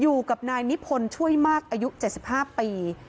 อยู่กับนายนิพนธ์ช่วยมากอายุ๗๕ปี